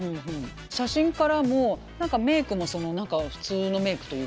写真からも何かメークも普通のメークというかねだし